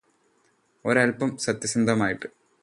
ഒരൽപം സത്യസന്ധമായിട്ട്